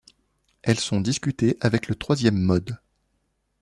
Elles sont discutées avec le troisième mode.